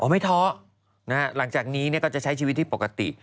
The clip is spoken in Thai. ไม่ท้อหลังจากนี้ก็จะใช้ชีวิตที่ปกติ